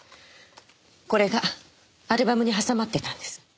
これがアルバムに挟まってたんです。